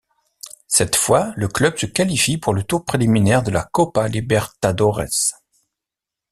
Cette fois, le club se qualifie pour le tour préliminaire de la Copa Libertadores.